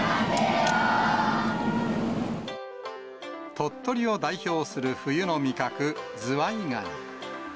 鳥取を代表する冬の味覚、ズワイガニ。